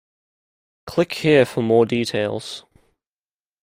Click here for more details.